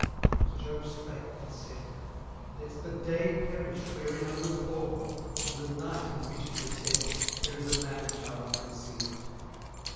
18:003:002 And Job spake, and said, 18:003:003 Let the day perish wherein I was born, and the night in which it was said, There is a man child conceived.